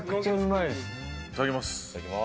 いただきます。